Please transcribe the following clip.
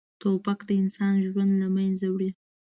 توپک د انسان ژوند له منځه وړي.